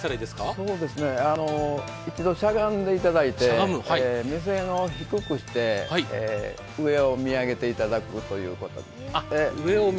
一度、しゃがんでいただいて目線を低くして上を見上げていただくといことです。